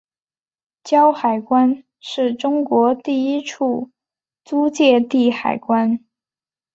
胶海关是中国第一处租借地海关。